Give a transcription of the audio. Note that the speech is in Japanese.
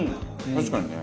確かにね。